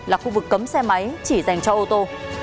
là khu vực cấm xe máy chỉ dành cho ô tô